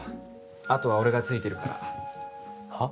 あとは俺がついてるからはっ？